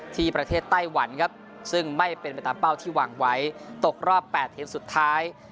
ที่ประเทศไต้หวันครับซึ่งไม่เป็นประจำเป้าที่หวังไว้ตกรอบแปดเทบสุดท้าย